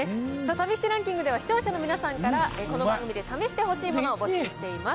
試してランキングでは、視聴者の皆さんから、この番組で試してほしいものを募集しています。